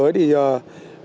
thời gian tới thì